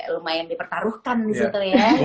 lumayan dipertaruhkan gitu ya